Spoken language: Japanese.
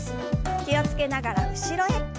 気を付けながら後ろへ。